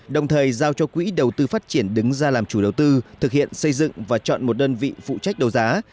đồng thời giao cho quỹ đầu tư phát triển đứng ra làm chủ đầu tư thực hiện xây dựng và chọn một đơn vị phụ trách đấu giá